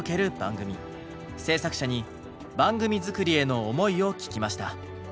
制作者に番組作りへの思いを聞きました。